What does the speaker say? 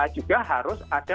juga harus ada